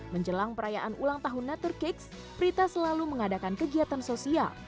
menjelang perayaan ulang tahun natur cakes prita selalu mengadakan kegiatan sosial